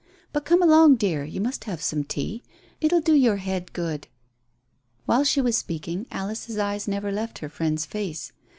But come along, dear, you must have some tea. It'll do your head good." While she was speaking Alice's eyes never left her friend's face.